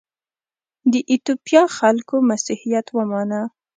د ایتوپیا خلکو مسیحیت ومانه.